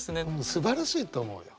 すばらしいと思うよ。